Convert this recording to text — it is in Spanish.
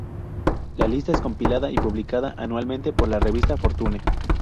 La lista es compilada y publicada anualmente por la revista Fortune.